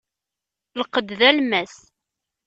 Lqed d alemmas.